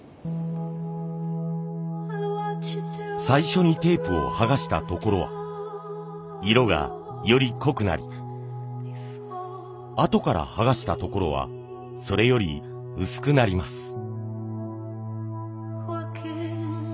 最初にテープを剥がしたところは色がより濃くなりあとから剥がしたところはそれより薄くなります。